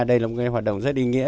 đây là một cái hoạt động rất ý nghĩa